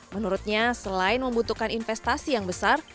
menurutnya selain membutuhkan investasi yang besar